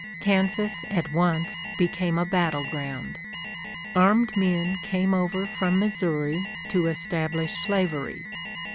Kansas at once became a battle ground. Armed men came over from Missouri to establish slavery.